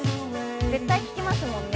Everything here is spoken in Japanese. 絶対聴きますもんね